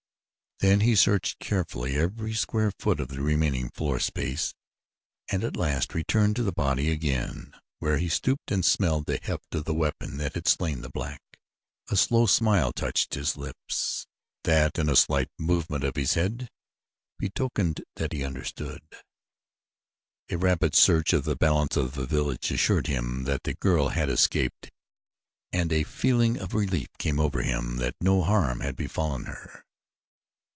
Then he searched carefully every square foot of the remaining floor space and at last returned to the body again where he stooped and smelled of the haft of the weapon that had slain the black. A slow smile touched his lips that and a slight movement of his head betokened that he understood. A rapid search of the balance of the village assured him that the girl had escaped and a feeling of relief came over him that no harm had befallen her.